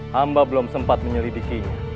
hamba belum sempat menyelidikinya